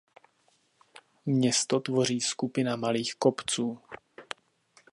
Město tvoří skupina malých kopců.